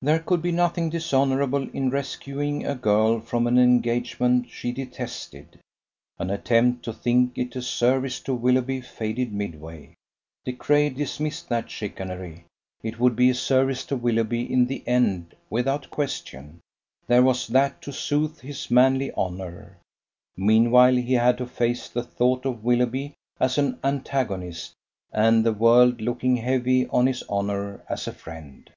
There could be nothing dishonourable in rescuing a girl from an engagement she detested. An attempt to think it a service to Willoughby faded midway. De Craye dismissed that chicanery. It would be a service to Willoughby in the end, without question. There was that to soothe his manly honour. Meanwhile he had to face the thought of Willoughby as an antagonist, and the world looking heavy on his honour as a friend.